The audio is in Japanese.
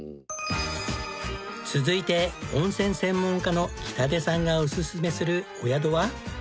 続いて温泉専門家の北出さんがオススメするお宿は。